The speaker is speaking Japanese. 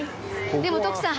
でも徳さん